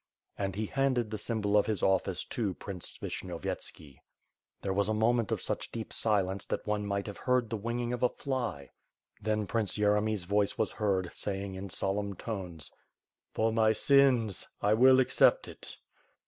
And he handed the symbol of his office to Prince Vish nyovyetski. There was a moment of such deep silence that one might have heard the winging of a fly, then Prince Yere my's voice was heard, saying in solemn tones: "For my sins — I will accept it."